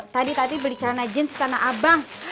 tadi tadi beli celana jin setelah abang